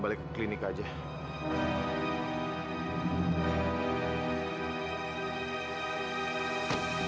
udah kamu gitu ini mbaknya disitu